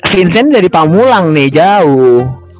vincent jadi pamulang nih jauh